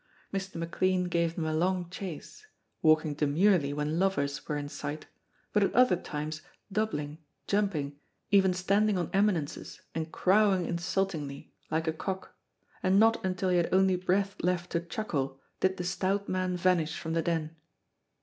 Mr. McLean gave them a long chase, walking demurely when lovers were in sight, but at other times doubling, jumping, even standing on eminences and crowing insultingly, like a cock, and not until he had only breath left to chuckle did the stout man vanish from the Den.